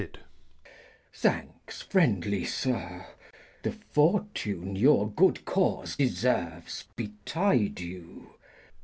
Glost. Thanks, friendly Sir ; The Fortune your good Cause deserves betide you.